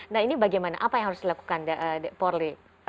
nah ini bagaimana apa yang harus dilakukan polri